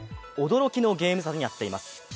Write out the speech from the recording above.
驚きのゲーム差になっています。